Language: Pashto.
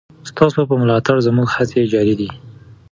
ستاسو په ملاتړ زموږ هڅې جاري دي.